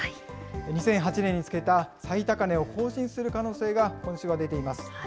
２００８年につけた最高値を更新する可能性が今週は出ています。